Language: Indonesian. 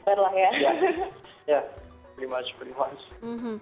terima kasih terima kasih